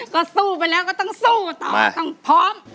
ก็สู้ไปแล้วก็ต้องสู้ต่อต้องพร้อม